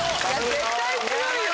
絶対強いよ！